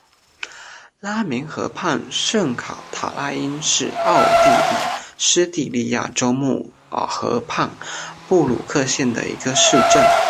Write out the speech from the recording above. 拉明河畔圣卡塔赖因是奥地利施蒂利亚州穆尔河畔布鲁克县的一个市镇。